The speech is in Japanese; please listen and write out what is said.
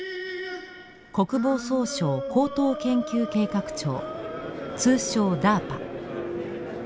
国防総省高等研究計画庁通称ＤＡＲＰＡ。